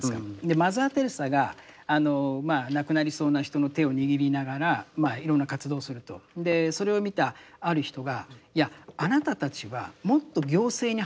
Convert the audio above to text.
マザー・テレサが亡くなりそうな人の手を握りながらいろんな活動をすると。それを見たある人がいやあなたたちはもっと行政に働きかけるべきだって。